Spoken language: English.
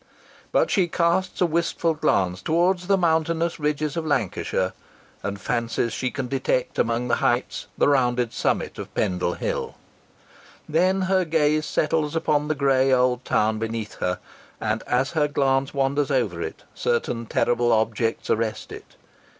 But she casts a wistful glance towards the mountainous ridges of Lancashire, and fancies she can detect amongst the heights the rounded summit of Pendle Hill. Then her gaze settles upon the grey old town beneath her, and, as her glance wanders over it, certain terrible objects arrest it.